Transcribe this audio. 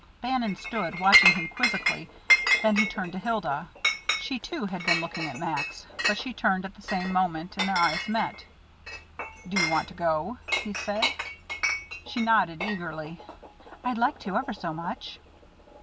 Bannon stood watching him quizzically; then he turned to Hilda. She, too, had been looking at Max, but she turned at the same moment, and their eyes met. "Do you want to go?" he said. She nodded eagerly. "I'd like to ever so much."